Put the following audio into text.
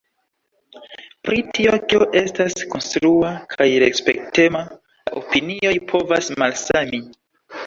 Pri tio kio estas konstrua kaj respektema la opinioj povas malsami.